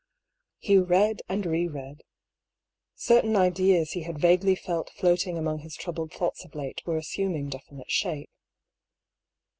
Hugh read and re read. Certain ideas he had vague ly felt floating among his troubled thoughts of late were assuming definite shape.